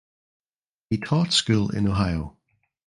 He taught school in Ohio.